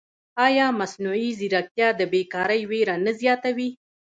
ایا مصنوعي ځیرکتیا د بېکارۍ وېره نه زیاتوي؟